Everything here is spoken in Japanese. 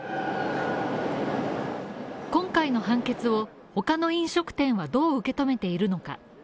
今回の判決を、ほかの飲食店はどう受け止めているのか。